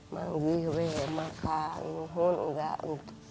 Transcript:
manggi makan enggak untuk